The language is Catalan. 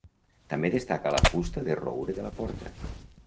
També destaca la fusta de roure de la porta.